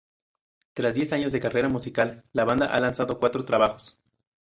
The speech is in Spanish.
Tras diez años de carrera musical, la banda ha lanzado cuatro trabajos.